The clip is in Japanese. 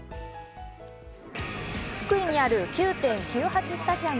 福井にある９．９８スタジアム。